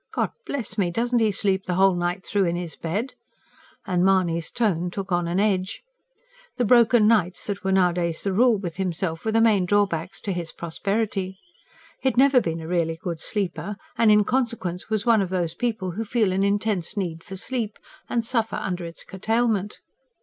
God bless me! doesn't he sleep the whole night through in his bed?" and Mahony's tone took on an edge. The broken nights that were nowadays the rule with himself were the main drawbacks to his prosperity. He had never been a really good sleeper; and, in consequence, was one of those people who feel an intense need for sleep, and suffer under its curtailment.